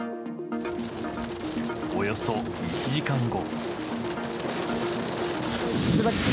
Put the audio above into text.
およそ１時間後。